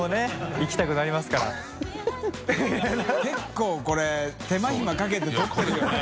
觜これ手間暇かけて撮ってるよね。